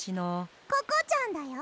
ココちゃんだよ！